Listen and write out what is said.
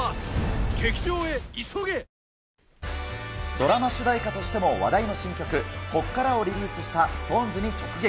ドラマ主題歌としても話題の新曲、こっからをリリースしたＳｉｘＴＯＮＥＳに直撃。